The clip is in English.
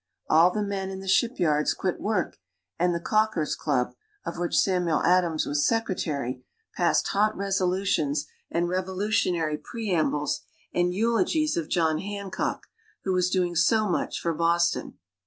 All the men in the shipyards quit work, and the Calkers' Club, of which Samuel Adams was secretary, passed hot resolutions and revolutionary preambles and eulogies of John Hancock, who was doing so much for Boston.